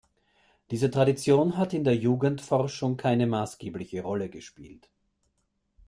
Diese Tradition hat in der Jugendforschung keine maßgebliche Rolle gespielt.